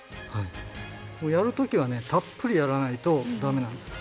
やる時はたっぷりやらないとダメなんです。